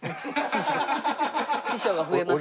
師匠が増えました。